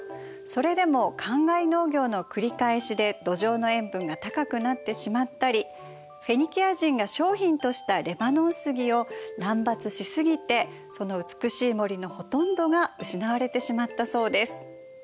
それでもかんがい農業の繰り返しで土壌の塩分が高くなってしまったりフェニキア人が商品としたレバノン杉を乱伐し過ぎてその美しい森のほとんどが失われてしまったそうです。